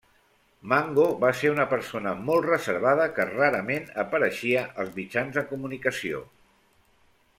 Mango va ser una persona molt reservada que rarament apareixia als mitjans de comunicació.